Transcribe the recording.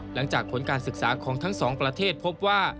หลังจากผลการศึกษาของทั้งสองประเทศพบว่า